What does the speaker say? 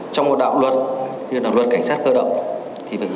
trong một đạo luật như là luật cảnh sát cơ động